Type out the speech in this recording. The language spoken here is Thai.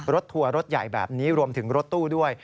ทัวร์รถใหญ่แบบนี้รวมถึงรถตู้ด้วย